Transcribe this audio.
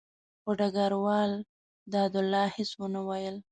خو ډګروال دادالله هېڅ ونه ویل.